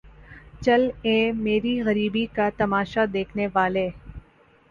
چل اے میری غریبی کا تماشا دیکھنے والے